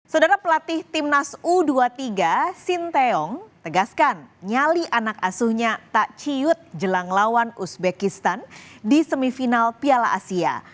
saudara pelatih timnas u dua puluh tiga sinteyong tegaskan nyali anak asuhnya tak ciut jelang lawan uzbekistan di semifinal piala asia